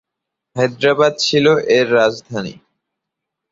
হায়দ্রাবাদ ছিল এর রাজধানী।